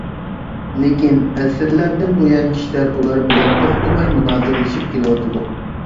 لېكىن ئەسىرلەردىن بۇيان كىشىلەر ئۇلار بىلەن توختىماي مۇنازىرىلىشىپ كېلىۋاتىدۇ.